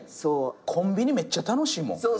コンビニめっちゃ楽しいもん。